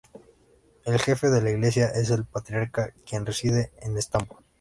El jefe de la Iglesia es el patriarca, quien reside en Estambul.